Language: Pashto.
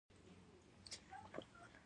هغوی د آرام خوبونو د لیدلو لپاره ناست هم وو.